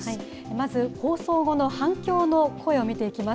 まず放送後の反響の声を見ていきます。